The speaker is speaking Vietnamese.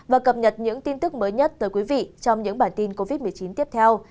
và cập nhật những tin tức mới nhất tới quý vị trong những bản tin covid một mươi chín tiếp theo